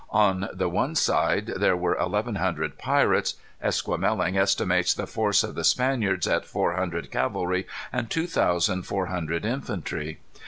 On the one side there were eleven hundred pirates. Esquemeling estimated the force of the Spaniards at four hundred cavalry and two thousand four hundred infantry.